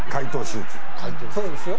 そうですよ。